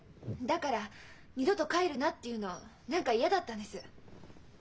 だから「二度と帰るな」っていうの何か嫌だったんです。